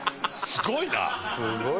すごいな！